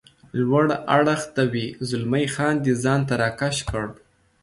لوړ اړخ ته وي، زلمی خان دی ځان ته را کش کړ.